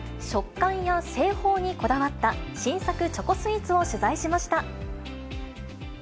食感や製法にこだわった新作チョコスイーツを取材しました。